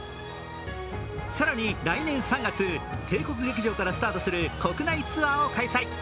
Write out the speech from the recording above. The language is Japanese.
更に来年３月、帝国劇場からスタートする国内ツアーを開催。